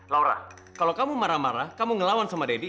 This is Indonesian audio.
laura kalau kamu marah marah kamu ngelawan sama deddy